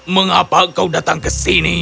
mengapa kau datang ke sini